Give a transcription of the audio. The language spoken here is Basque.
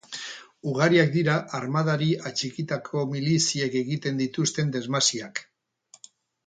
Ugariak dira armadari atxikitako miliziek egiten dituzten desmasiak.